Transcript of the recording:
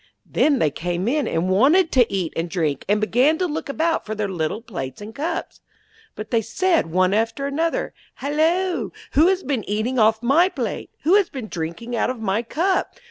Then they came in, and wanted to eat and drink, and began to look about for their little plates and cups. But they said one after another: 'Halloa! who has been eating off my plate? Who has been drinking out of my cup?